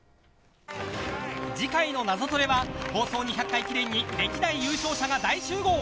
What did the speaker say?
次回の「ナゾトレ」は放送２００回記念に歴代優勝者が大集合。